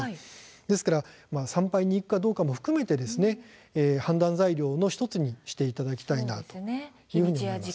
ですから参拝に行くかどうかも含めて判断材料の１つにしていただきたいなと思います。